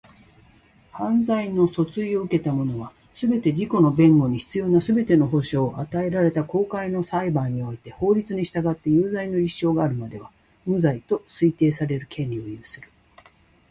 犯罪の訴追を受けた者は、すべて、自己の弁護に必要なすべての保障を与えられた公開の裁判において法律に従って有罪の立証があるまでは、無罪と推定される権利を有する。